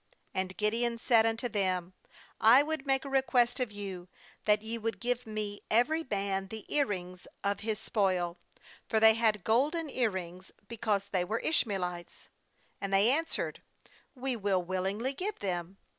^And Gideon 'said unto them: 'I would make a request of you, that ye would give me every man the ear rings of bas spoil.' — For they had golden ear rings, because they were Ishmaelites. 28And they answered: ' We will willing ly give them.'